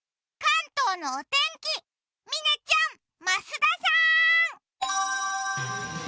関東のお天気嶺ちゃん、増田さん。